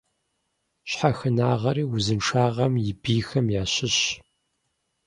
Щхьэхынагъэри узыншагъэм и бийхэм ящыщщ.